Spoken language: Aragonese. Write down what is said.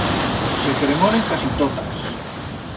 Se cremoren casi totas.